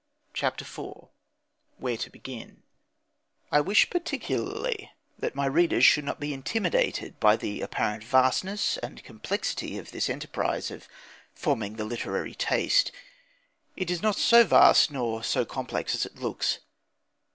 CHAPTER IV WHERE TO BEGIN I wish particularly that my readers should not be intimidated by the apparent vastness and complexity of this enterprise of forming the literary taste. It is not so vast nor so complex as it looks.